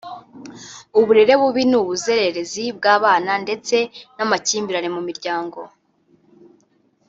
uburere bubi n’ubuzererezi bw’abana ndetse n’amakimbirane mu miryango